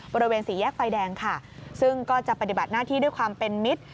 บริเวณสี่แยกไฟแดงค่ะซึ่งก็จะปฏิบัติหน้าที่ด้วยความเป็นมิตร